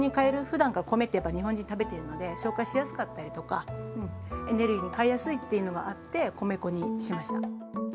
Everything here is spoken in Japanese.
ふだんから米ってやっぱ日本人食べているので消化しやすかったりとかうんエネルギーに変えやすいっていうのがあって米粉にしました。